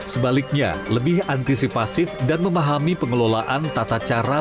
sebaliknya lebih antisipasif dan memahami pengelolaan tata cara